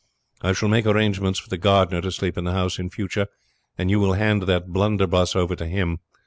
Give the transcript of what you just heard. I shall make arrangements for the gardener to sleep in the house in future, and you will hand that blunderbuss over to him.